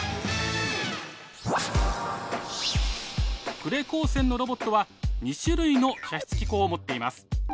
呉高専のロボットは２種類の射出機構を持っています。